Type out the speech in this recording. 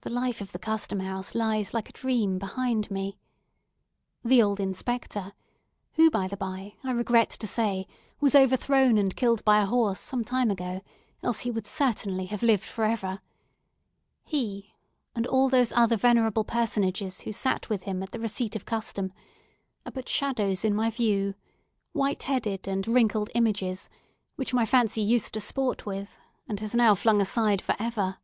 The life of the Custom House lies like a dream behind me. The old Inspector—who, by the by, I regret to say, was overthrown and killed by a horse some time ago, else he would certainly have lived for ever—he, and all those other venerable personages who sat with him at the receipt of custom, are but shadows in my view: white headed and wrinkled images, which my fancy used to sport with, and has now flung aside for ever.